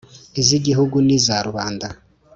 iz' i gihugu n' iza rubanda